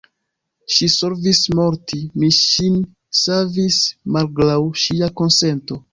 Ŝi volis morti: mi ŝin savis malgraŭ ŝia konsento.